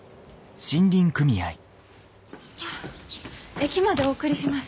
駅までお送りします。